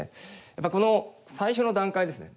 やっぱこの最初の段階ですね。